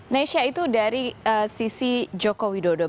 nesha itu dari sisi jokowi dodo